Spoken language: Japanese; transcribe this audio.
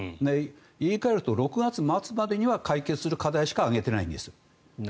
言い換えると６月末までには解決する課題しか挙げていないんです。